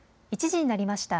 １時になりました。